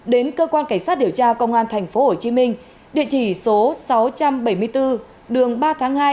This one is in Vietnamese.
đến cơ quan cảnh sát điều tra công an tp hcm địa chỉ số sáu trăm bảy mươi bốn đường ba tháng hai